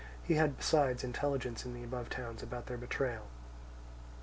He had besides intelligence in the above towns about their betrayal.